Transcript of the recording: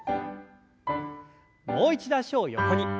もう一度脚を横に。